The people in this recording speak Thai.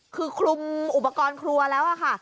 คือคลุมอุปกรณ์ครัวแล้วค่ะ